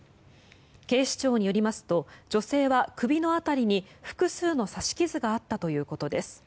警視庁によりますと女性は首の辺りに複数の刺し傷があったということです。